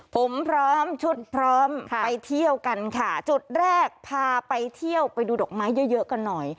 ผมพร้อมชุดพร้อมไปเที่ยวกันค่ะจุดแรกพาไปเที่ยวไปดูดอกไม้เยอะเยอะกันหน่อย